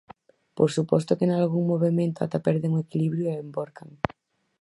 Por suposto que nalgún movemento ata perden o equilibrio e envorcan.